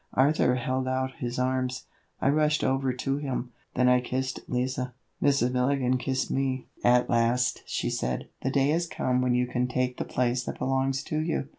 Arthur held out his arms. I rushed over to him, then I kissed Lise. Mrs. Milligan kissed me. "At last," she said, "the day has come when you can take the place that belongs to you."